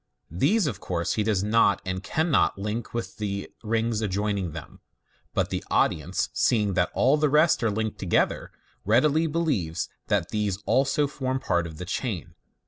These, of course, he does not and canhot link with the rings adjoining them, but the audience seeing that all the rest are linked together, readily believe that these also form part of the chain.